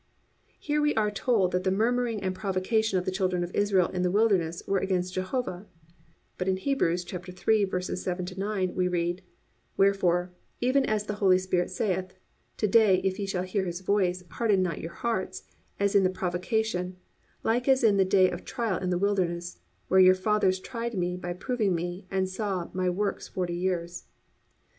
"+ Here we are told that the murmuring and provocation of the children of Israel in the wilderness were against Jehovah, but in Hebrews 3:7 9, we read: +"Wherefore, even as the Holy Spirit saith, to day if ye shall hear his voice, harden not your hearts, as in the provocation, like as in the day of the trial in the wilderness, where your fathers tried me by proving me, and saw my works forty years."